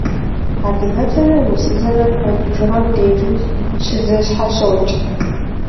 Адыгэбзэмрэ урысыбзэмрэ куэд бжыгъэм дежи щызэщхьэщокӏ.